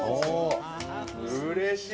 うれしい。